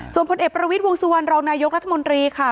ส่วนพลเอกประวิทย์วงสุวรรณรองนายกรัฐมนตรีค่ะ